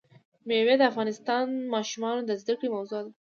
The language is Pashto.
مېوې د افغان ماشومانو د زده کړې موضوع ده.